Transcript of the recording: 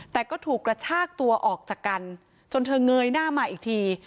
แต่ก็ถูกกระชากตัวออกจากกันจนเธอเงยหน้ามาอีกที